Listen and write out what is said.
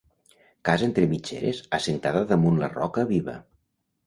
Casa entre mitgeres assentada damunt la roca viva.